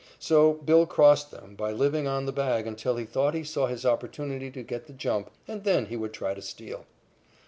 So "Bill" crossed them by living on the bag until he thought he saw his opportunity to get the jump, and then he would try to steal.